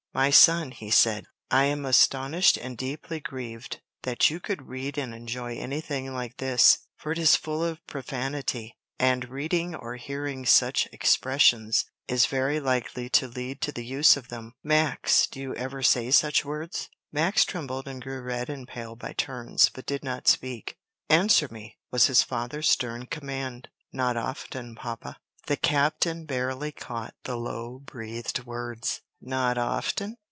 "My son," he said, "I am astonished and deeply grieved that you could read and enjoy anything like this, for it is full of profanity; and reading or hearing such expressions is very likely to lead to the use of them. Max, do you ever say such words?" Max trembled and grew red and pale by turns, but did not speak. "Answer me," was his father's stern command. "Not often, papa." The captain barely caught the low breathed words. "Not often?